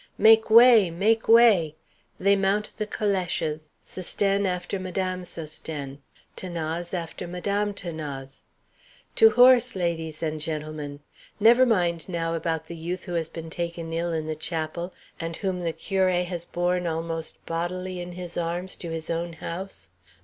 "Make way, make way!" They mount the calèches, Sosthène after Madame Sosthène; 'Thanase after Madame 'Thanase. "To horse, ladies and gentlemen!" Never mind now about the youth who has been taken ill in the chapel, and whom the curé has borne almost bodily in his arms to his own house.